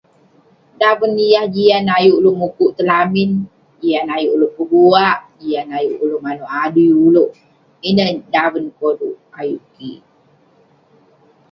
Daven yah jian ayuk ulouk mukuk tong lamin, jian ayuk ulouk peguak, jian ayuk ulouk manouk adui ulouk. Ineh daven koluk ayuk kik.